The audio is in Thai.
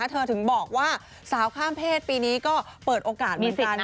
เธอถึงบอกว่าสาวข้ามเพศปีนี้ก็เปิดโอกาสเหมือนกัน